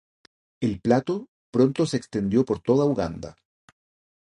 El plato pronto se extendió por toda Uganda.